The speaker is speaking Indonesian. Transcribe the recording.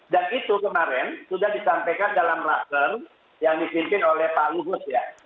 dan itu kemarin sudah disampaikan dalam rakan yang dipimpin oleh pak luhus ya